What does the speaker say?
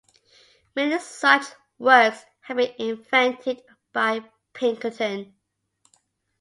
Many such works had been invented by Pinkerton.